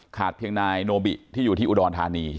ขาดเพียงนายโนบิที่อยู่ที่อุรธรรณี